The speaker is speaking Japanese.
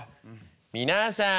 「皆さん」。